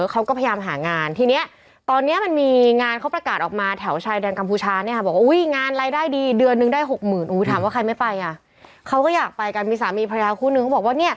เค้าก็พยายามหางาน